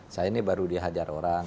saya ini baru dihajar orang